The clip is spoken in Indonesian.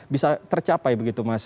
bisa tercapai begitu mas